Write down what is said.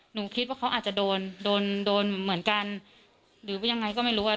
หนูคิดว่าเขาอาจจะโดนโดนเหมือนกันหรือยังไงก็ไม่รู้อ่ะ